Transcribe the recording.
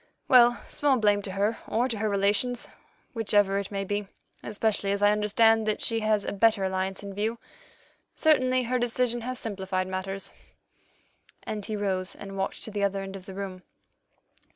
Well, small blame to her or to her relations, whichever it may be, especially as I understand that she has a better alliance in view. Certainly her decision has simplified matters," and he rose and walked to the other end of the room.